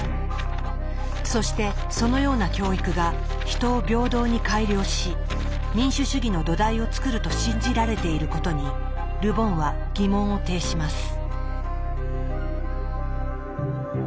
そしてそのような教育が人を平等に改良し民主主義の土台を作ると信じられていることにル・ボンは疑問を呈します。